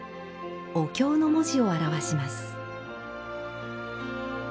お経の文字を表します。